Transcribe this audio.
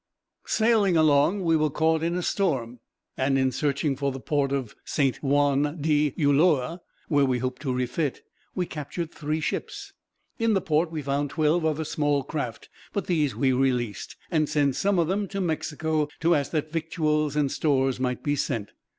"Sailing along, we were caught in a storm; and in searching for the port of Saint Juan d'Ulloa, where we hoped to refit, we captured three ships. In the port we found twelve other small craft, but these we released; and sent some of them to Mexico, to ask that victuals and stores might be sent.